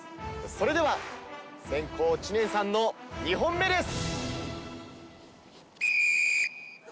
それでは先攻知念さんの２本目です！